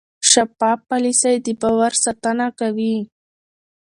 شفاف پالیسي د باور ساتنه کوي.